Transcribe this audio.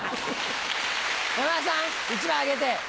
山田さん１枚あげて。